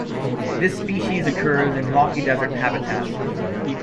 This species occurs in rocky desert habitat.